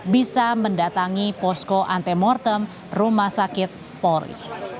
bisa mendatangi posko antemortem rumah sakit polri